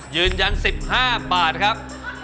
ยืนยัน๑๕บาทครับ